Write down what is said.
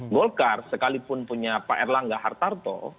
golkar sekalipun punya pak erlangga hartarto